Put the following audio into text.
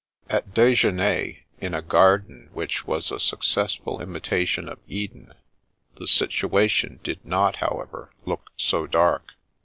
At dijeuner, in a garden which was a successful imitation of Eden, the situation did not, however, look so dark.